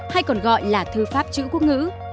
hay còn gọi là thư pháp chữ quốc ngữ